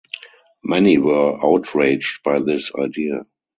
Many were outraged by this idea.